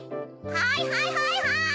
はいはいはいはい！